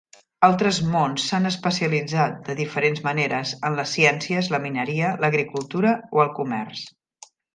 Altres mons s'han especialitzat de diferents maneres, en les ciències, la mineria, l'agricultura o el comerç.